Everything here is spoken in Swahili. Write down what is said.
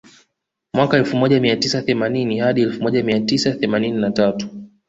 Mwaka elfu moja mia tisa themanini hadi elfu moja mia tisa themanini na tatu